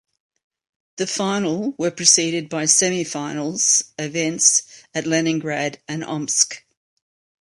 The final were preceded by semifinals events at Leningrad and Omsk.